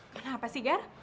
kenapa sih gar